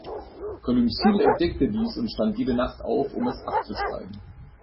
Columcille entdeckte dies und stand jede Nacht auf, um es abzuschreiben.